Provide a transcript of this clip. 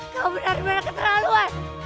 kau benar benar keterlaluan